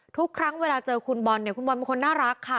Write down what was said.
ทุกครั้งเวลาเจอคุณบอลเนี่ยคุณบอลเป็นคนน่ารักค่ะ